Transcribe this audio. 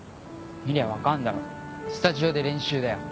見りゃ分かんだろスタジオで練習だよ。